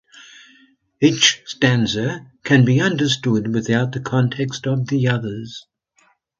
Each stanza can be understood without the context of the others.